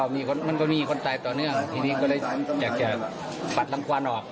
มีคนมันก็มีคนตายต่อเนื่องทีนี้ก็เลยอยากจะปัดรังควันออก